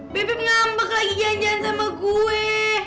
bebek ngambak lagi jalan jalan sama gue